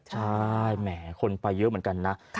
ใช่แหมคนไปเยอะเหมือนกันนะ